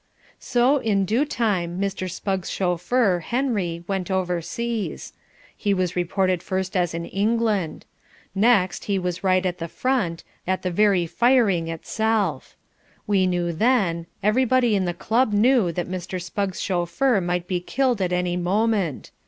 So, in due time, Mr. Spugg's chauffeur, Henry, went overseas. He was reported first as in England. Next he was right at the front, at the very firing itself. We knew then, everybody in the club knew that Mr. Spugg's chauffeur might be killed at any moment.